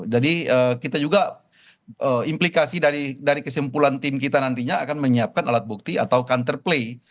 jadi kita juga implikasi dari kesimpulan tim kita nantinya akan menyiapkan alat bukti atau counter play